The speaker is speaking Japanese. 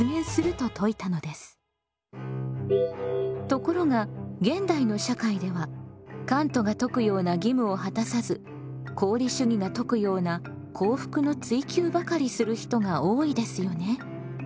ところが現代の社会ではカントが説くような義務を果たさず功利主義が説くような幸福の追求ばかりする人が多いですよね。